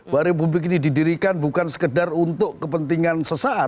bahwa republik ini didirikan bukan sekedar untuk kepentingan sesaat